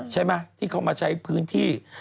ใช่ไหมที่เขามาใช้พื้นที่